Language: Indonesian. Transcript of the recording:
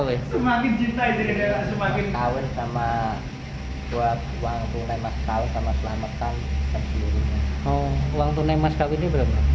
semakin cinta jadi